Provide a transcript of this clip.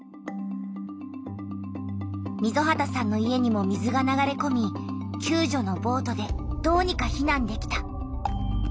溝端さんの家にも水が流れこみきゅう助のボートでどうにか避難できた。